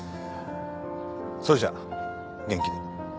それじゃ元気で。